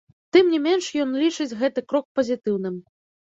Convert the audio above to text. Тым не менш, ён лічыць гэты крок пазітыўным.